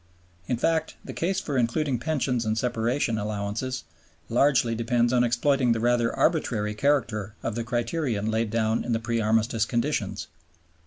In fact the case for including Pensions and Separation Allowances largely depends on exploiting the rather arbitrary character of the criterion laid down in the pre Armistice conditions.